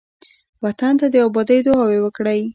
وطن ته د آبادۍ دعاوې وکړئ.